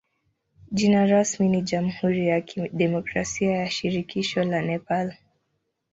Jina rasmi ni jamhuri ya kidemokrasia ya shirikisho la Nepal.